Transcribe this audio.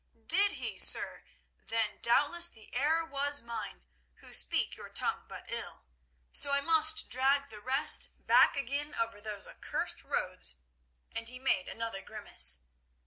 "Did he, sir? Then doubtless the error was mine, who speak your tongue but ill. So I must drag the rest back again over those accursed roads," and he made another grimace.